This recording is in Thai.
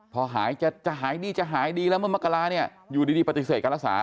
พอจะหายดีแล้วเมื่อมากราเนี่ยอยู่ดีปฏิเสธการรักษา